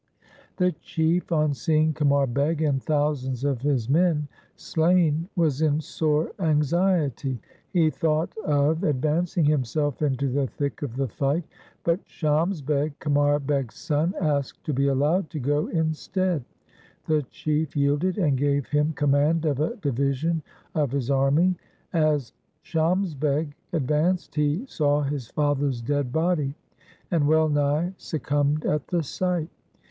The Chief on seeing Qamar Beg and thousands of his men slain was in sore anxiety. He thought of advancing himself into the thick of the fight, but Shams Beg, Qamar Beg's son, asked to be allowed to go instead. The Chief yielded and gave him com mand of a division of his army. As Shams Beg advanced he saw his father's dead body, and well nigh succumbed at the sight.